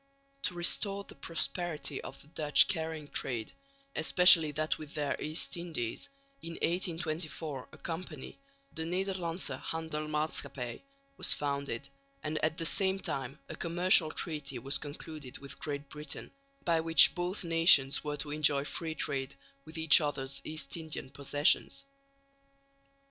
To restore the prosperity of the Dutch carrying trade, especially that with their East Indies, in 1824 a Company de Nederlandsche Handekmaatschappij was founded; and at the same time a commercial treaty was concluded with Great Britain, by which both nations were to enjoy free trade with each other's East Indian possessions.